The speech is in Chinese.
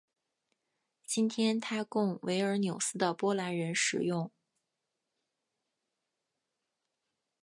今天它供维尔纽斯的波兰人使用。